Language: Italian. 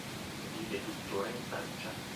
Vive tuttora in Francia.